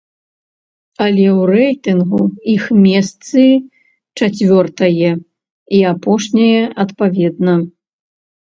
Але ў рэйтынгу іх месцы чацвёртае і апошняе адпаведна.